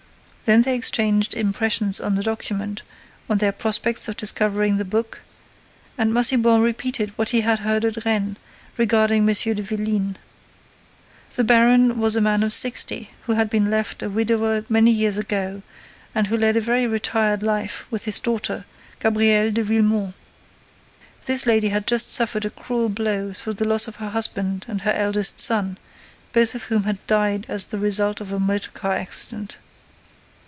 Then they exchanged impressions on the document, on their prospects of discovering the book; and Massiban repeated what he had heard at Rennes regarding M. de Vélines. The baron was a man of sixty, who had been left a widower many years ago and who led a very retired life with his daughter, Gabrielle de Villemon. This lady had just suffered a cruel blow through the loss of her husband and her eldest son, both of whom had died as the result of a motor car accident.